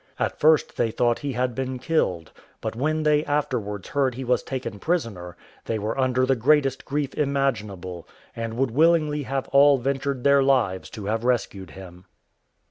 At first they thought he had been killed; but when they afterwards heard he was taken prisoner, they were under the greatest grief imaginable, and would willingly have all ventured their lives to have rescued him.